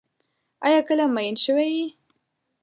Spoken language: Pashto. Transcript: آیا کله مئین شوی یې؟